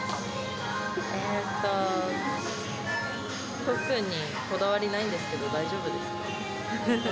えっと、特にこだわりないんですけど大丈夫ですか？